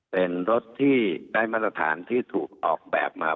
เป็นรถที่ได้มาตรฐานที่ถูกออกแบบมา